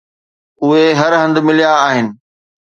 اهي هر هنڌ مليا آهن